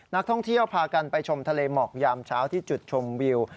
นักท่องเที่ยวพากันไปชมทะเลหมอกยามเช้าที่จุดชมวิว